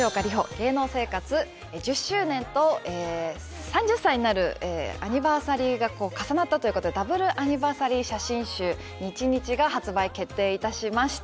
芸能生活１０周年と３０歳になるアニバーサリーがこう重なったということでＷアニバーサリー写真集『日日』が発売決定いたしました。